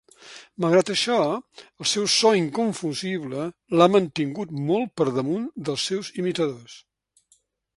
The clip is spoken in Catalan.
Malgrat això el seu so inconfusible l'ha mantingut molt per damunt dels seus imitadors.